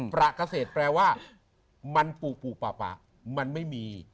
ประเกษตรแปลว่ามันปูปุปะปะมันไม่มี